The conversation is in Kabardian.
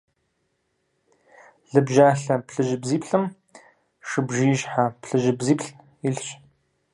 Лыбжьалъэ плъыжьыбзиплӏым шыбжиищхьэ плъыжьыбзиплӏ илъщ.